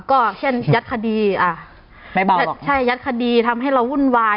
ก็เช่นยัดคดีอ่าไม่เบาหรอกใช่ยัดคดีทำให้เราวุ่นวาย